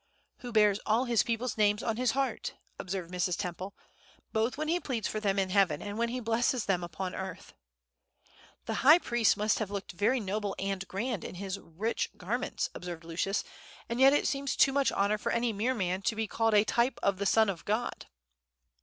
"Who bears all His people's names on his heart," observed Mrs. Temple; "both when He pleads for them in heaven, and when He blesses them upon earth." "The high priest must have looked very noble and grand in his rich garments," observed Lucius; "and yet it seems too much honor for any mere man to be called a type of the Son of God."